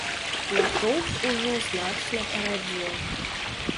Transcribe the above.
Натоўп ужо значна парадзеў.